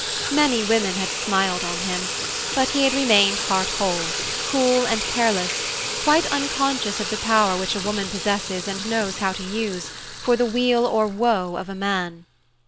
Many women had smiled on him, but he had remained heart whole, cool, and careless, quite unconscious of the power which a woman possesses and knows how to use, for the weal or woe of man.